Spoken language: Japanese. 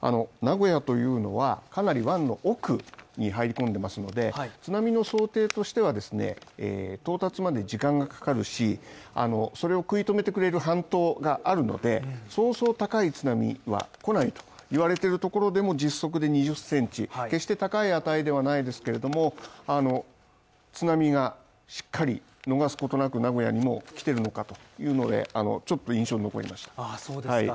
名古屋というのは、かなり湾の奥に入り込んでますので、津波の想定としてはですね、到達まで時間がかかるしそれを食い止めてくれる半島があるので、そうそう高い津波は来ないと言われてるところでも実測で２０センチ、決して高い値ではないですけれども、津波がしっかり逃すことなく名古屋にも来てるのかというので、ちょっと印象に残りました